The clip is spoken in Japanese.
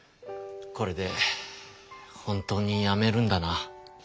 これで本当にやめるんだな。